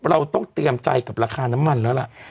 เราต้องเตรียมใจกับราคาน้ำมันแล้วล่ะ